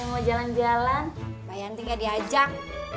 mau jalan jalan bayangin gak diajak